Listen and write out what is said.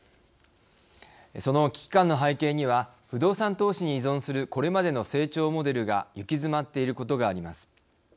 その危機感の背景には不動産投資に依存するこれまでの成長モデルが行き詰まっていることがあります。